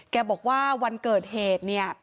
แกบอกว่าวันเกิดเหตุเนี่ย